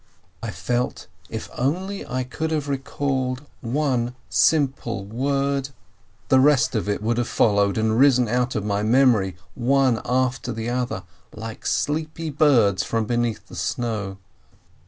I felt, if only I could have recalled one simple word, the rest would have followed and risen out of my memory one after the other, like sleepy birds from beneath the snow.